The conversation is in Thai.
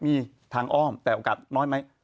มีทางอ้อมแต่โอกาสน้อยไหม